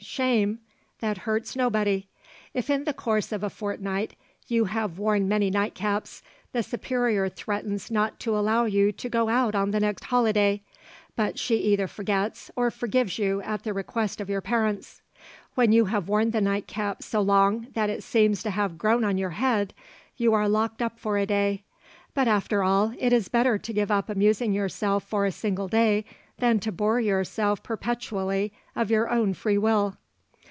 shame!' that hurts nobody. If in the course of a fortnight you have worn many nightcaps, the Superior threatens not to allow you to go out on the next holiday, but she either forgets or forgives you at the request of your parents. When you have worn the nightcap so long that it seems to have grown on your head, you are locked up for a day. But after all, it is better to give up amusing yourself for a single day than to bore yourself perpetually of your own freewill.'